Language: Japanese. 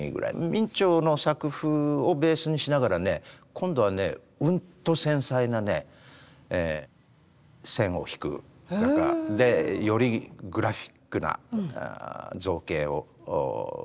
明兆の作風をベースにしながらね今度はねうんと繊細な線を引く画家でよりグラフィックな造形を生み出した人なんですよね。